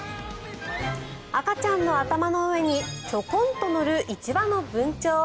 赤ちゃんの頭の上にちょこんと乗る１羽のブンチョウ。